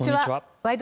「ワイド！